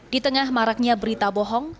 di tengah maraknya berita bohong